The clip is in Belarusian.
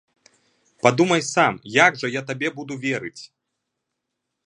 Падумай сам, як жа я табе буду верыць!